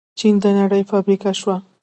چین د نړۍ فابریکه شوه.